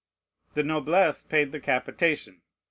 The noblesse paid the capitation.